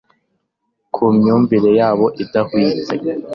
ku myumvire yabo idahwitse